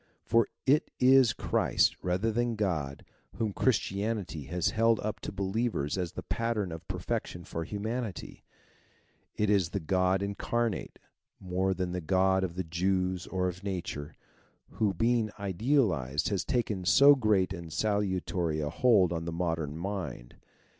Tor it is Christ, rather than God. whom ,__. fi "'*' inn *~~~* i...,. Christianity has held up to believers as the pattern of perfection for humanity. It is the God incarnate, more than the God of the Jews or of Nature, who being idealized has taken so great and salutary a hold on the modern mind.